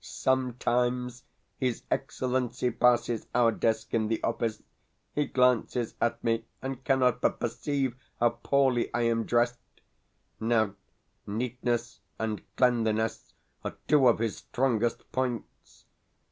Sometimes his Excellency passes our desk in the office. He glances at me, and cannot but perceive how poorly I am dressed. Now, neatness and cleanliness are two of his strongest points.